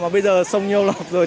mà bây giờ sông nhâu lập rồi